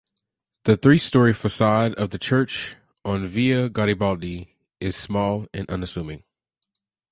The three story facade of the church on Via Garibaldi is small and unassuming.